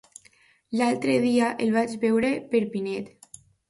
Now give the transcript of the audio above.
L'altre dia el vaig veure per Pinet.